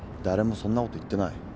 誰もそんなこと言ってない。